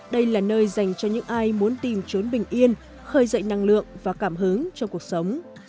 đây là nơi dành cho những ai muốn tìm trốn bình yên khơi dậy năng lượng và cảm hứng trong cuộc sống